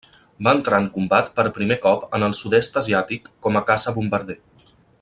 Va entrar en combat per primer cop en el Sud-est Asiàtic com a caça bombarder.